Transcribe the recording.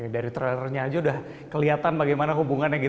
dari trailernya sudah terlihat bagaimana hubungannya